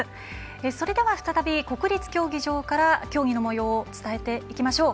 それでは再び国立競技場から競技のもようを伝えていきましょう。